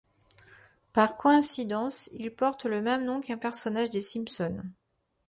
Par coïncidence, il porte le même nom qu'un personnage des Simpson.